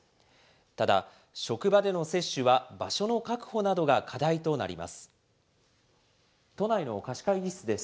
ただ、職場での接種は、場所の確保などが課題となります。